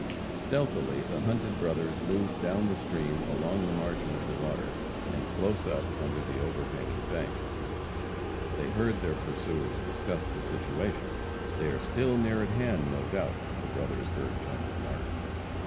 Stealthily the hunted brothers moved down the stream along the margin of the water, and close up under the overhanging bank. They heard their pursuers discuss the situation. "They are still near at hand, no doubt," the brothers heard one remark.